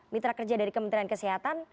mitra kerja dari kementerian kesehatan